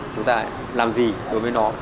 chúng ta lại làm gì đối với nó